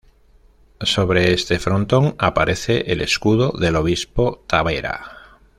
Sobre este frontón aparece el escudo del obispo Tavera.